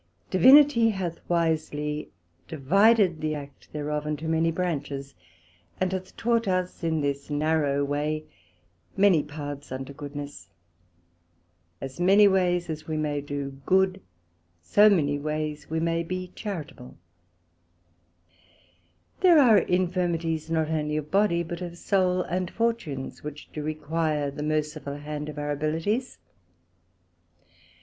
Divinity hath wisely divided the act thereof into many branches, and hath taught us in this narrow way, many paths unto goodness: as many ways as we may do good, so many ways we may be charitable: there are infirmities, not onely of Body, but of Soul, and Fortunes, which do require the merciful hand of our abilities.